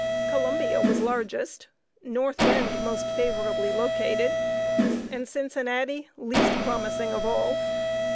Columbia was largest, North Bend most favorably located, and Cincinnati least promising of all.